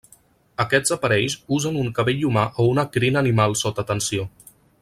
Aquests aparells usen un cabell humà o una crin animal sota tensió.